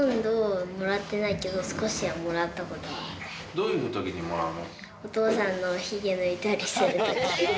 どういうときにもらうの？